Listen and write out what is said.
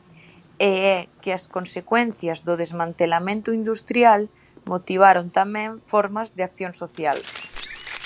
E é que as consecuencias do desmantelamento industrial motivaron tamén formas de acción social.